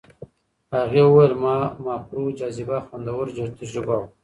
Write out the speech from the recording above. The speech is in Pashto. هغې وویل ماکرو جاذبه خوندور تجربه وه.